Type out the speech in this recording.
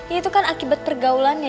itu kan akibat pergaulannya